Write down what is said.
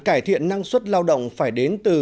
cải thiện năng suất lao động phải đến từ